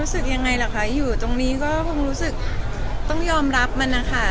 รู้สึกยังไงล่ะคะอยู่ตรงนี้ก็คงรู้สึกต้องยอมรับมันนะคะ